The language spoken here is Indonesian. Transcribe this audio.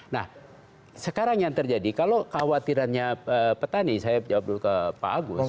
nah sekarang yang terjadi kalau khawatirannya petani saya jawab dulu ke pak agus